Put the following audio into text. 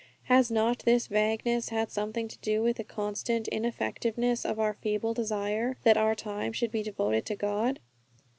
Has not this vagueness had something to do with the constant ineffectiveness of our feeble desire that our time should be devoted to God?